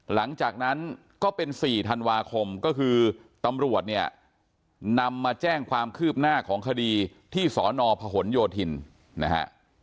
หลังจากนั้นก็เป็น๔ธันวาคมก็คือตำรวจเนี่ยนำมาแจ้งความคืบหน้าของคดีที่สนพหนโยธินนะฮะ